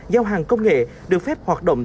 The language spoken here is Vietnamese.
giao hàng công nghệ được phép hoạt động